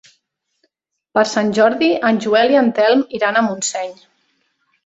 Per Sant Jordi en Joel i en Telm iran a Montseny.